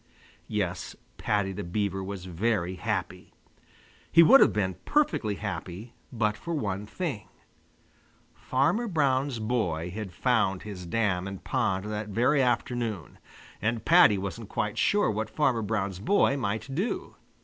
Yes, Paddy the Beaver was very happy. He would have been perfectly happy but for one thing: Farmer Brown's boy had found his dam and pond that very afternoon, and Paddy wasn't quite sure what Farmer Brown's boy might do.